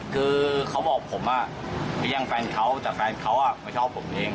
คือเขาบอกผมแย่งแฟนเขาแต่แฟนเขาไม่ชอบผมเอง